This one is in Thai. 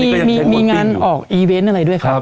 มีงานออกอีเวนต์อะไรด้วยครับ